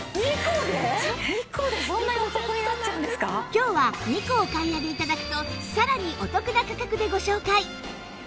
今日は２個お買い上げ頂くとさらにお得な価格でご紹介